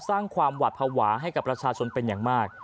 สร้างความหวัดภาวะให้กับประชาชนเป็นอย่างมาก